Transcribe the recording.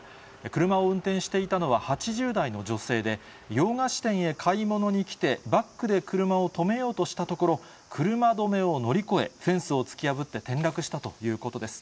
車を運転していたのは８０代の女性で、洋菓子店へ買い物に来て、バックで車を止めようとしたところ、車止めを乗り越え、フェンスを突き破って転落したということです。